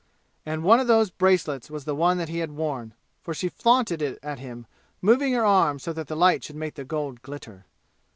And one of those bracelets was the one that he had worn; for she flaunted it at him, moving her arm so that the light should make the gold glitter.